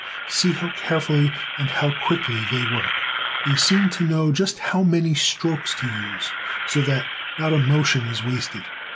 See how carefully and how quickly they work! They seem to know just how many strokes to use, so that not a motion is wasted.